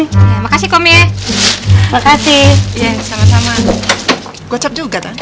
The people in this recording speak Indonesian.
ini makasih komik makasih sama sama gocap juga